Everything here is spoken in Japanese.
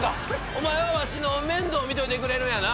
お前はわしの面倒を見といてくれるんやな。